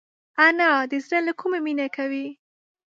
انا د زړه له کومي مینه کوي